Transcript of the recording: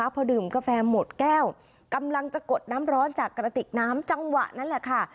พอดื่มกาแฟหมดแก้วกำลังจะกดน้ำร้อนจากกระติกน้ำจังหวะนั้นแหละค่ะ